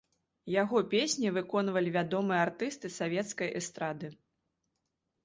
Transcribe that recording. Яго песні выконвалі вядомыя артысты савецкай эстрады.